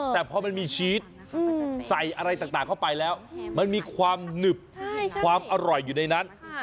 แต่พอมันมีชีสใส่อะไรต่างเข้าไปแล้วมันมีความหนึบความอร่อยอยู่ในนั้น